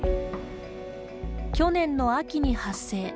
去年の秋に発生。